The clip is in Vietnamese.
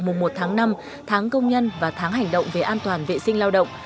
mùa một tháng năm tháng công nhân và tháng hành động về an toàn vệ sinh lao động